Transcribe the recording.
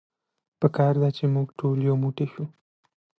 په کار ده چې مونږ ټول يو موټی شو.